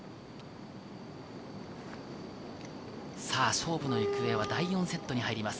勝負の行方は第４セットに入ります。